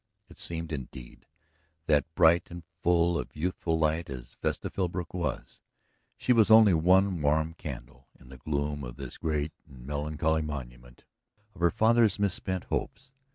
It seemed, indeed, that bright and full of youthful light as Vesta Philbrook was, she was only one warm candle in the gloom of this great and melancholy monument of her father's misspent hopes.